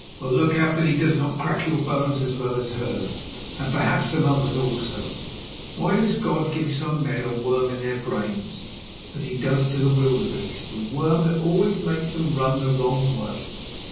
Well, look out that he does not crack your bones as well as hers, and perhaps some others also. Why does God give some men a worm in their brains, as He does to the wildebeeste, a worm that always makes them run the wrong way?